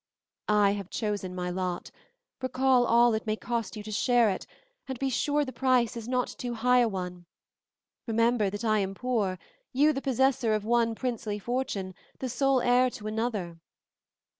I have chosen my lot. Recall all it may cost you to share it and be sure the price is not too high a one. Remember I am poor, you the possessor of one princely fortune, the sole heir to another."